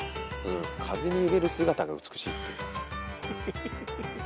「風に揺れる姿が美しい」って。